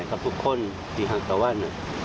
กับทุกคนที่หักตะวัน